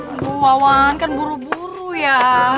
aduh wawan kan buru buru ya